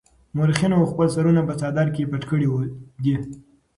مورخينو خپل سرونه په څادر کې پټ کړي دي.